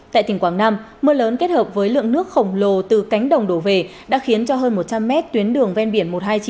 tại tỉnh quảng nam mưa lớn kết hợp với lượng nước khổng lồ từ cánh đồng đổ về đã khiến cho hơn một trăm linh mét tuyến đường ven biển một trăm hai mươi chín